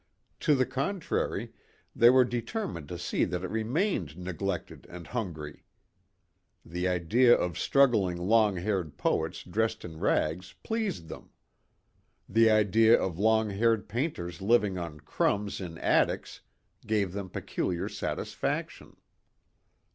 To the contrary they were determined to see that it remained neglected and hungry. The idea of struggling long haired poets dressed in rags pleased them. The idea of long haired painters living on crumbs in attics gave them peculiar satisfaction.